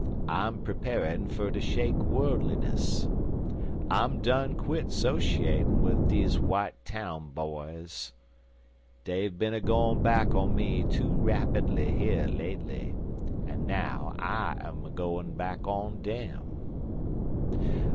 I'm preparin' fer to shake worldliness. I'm done quit so'shatin' wid deze w'ite town boys. Dey've been a goin' back on me too rapidly here lately, an' now I'm a goin' back on dem."